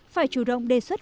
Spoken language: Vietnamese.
phải chủ động đề xuất